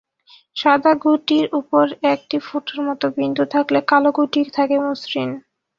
সাদা ঘুঁটির ওপর একটি ফোঁটার মতো বিন্দু থাকে, কালো ঘুঁটি থাকে মসৃণ।